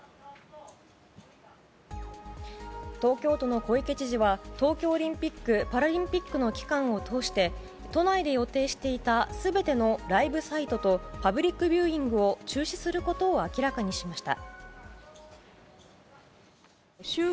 東京都の小池知事は東京オリンピック・パラリンピックの期間を通して都内で予定していた全てのライブサイトとパブリックビューイングを中止することを明らかにしました。